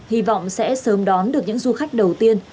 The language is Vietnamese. hy vọng sẽ sớm đón được những du khách đầu tiên